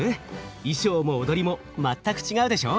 衣装も踊りも全く違うでしょう！